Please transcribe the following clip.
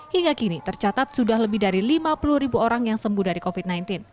hingga kini tercatat sudah lebih dari lima puluh ribu orang yang sembuh dari covid sembilan belas